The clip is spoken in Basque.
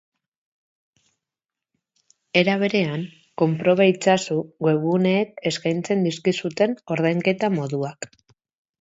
Era berean, konproba itzazu webguneek eskaintzen dizkizuten ordainketa moduak.